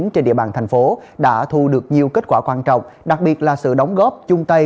trên địa bàn thành phố đã thu được nhiều kết quả quan trọng đặc biệt là sự đóng góp chung tay